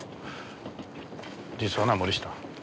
実はな森下。